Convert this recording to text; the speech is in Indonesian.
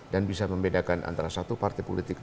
dan bisa membedakan antara satu partai politik